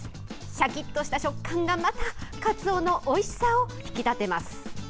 シャキッとした食感がまた、かつおのおいしさを引き立てます。